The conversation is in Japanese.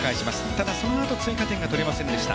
ただ、そのあと追加点が取れませんでした。